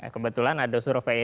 kebetulan ada survei